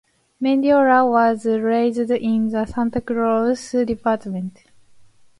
Mendiola was raised in the Santa Cruz Department.